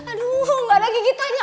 aduh nggak ada gini tanya